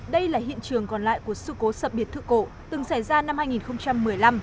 đây là hiện trường còn lại của sự cố sập biệt thự cổ từng xảy ra năm hai nghìn một mươi năm